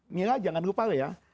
mila jangan lupa ya